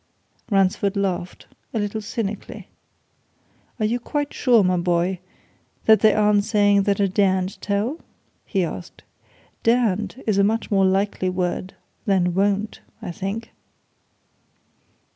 Ransford laughed a little cynically. "Are you quite sure, my boy, that they aren't saying that I daren't tell?" he asked. "Daren't is a much more likely word than won't, I think."